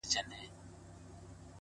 پاس توتكۍ راپسي مه ږغـوه ـ